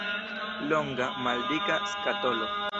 Longa, maldika skatolo.